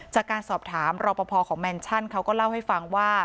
จากการสอบถามรอปภของแมนชั่นเขาก็เล่าให้ฟังว่า